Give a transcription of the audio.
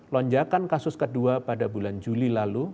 lonjakan kasus kedua pada bulan juli lalu